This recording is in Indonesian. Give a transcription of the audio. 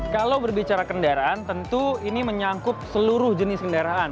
kalau berbicara kendaraan tentu ini menyangkut seluruh kesehatan